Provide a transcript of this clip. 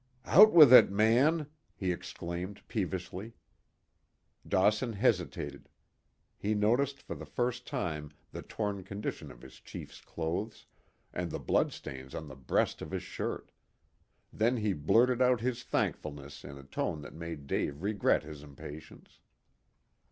"Out with it, man," he exclaimed peevishly. Dawson hesitated. He noticed for the first time the torn condition of his chief's clothes, and the blood stains on the breast of his shirt. Then he blurted out his thankfulness in a tone that made Dave regret his impatience.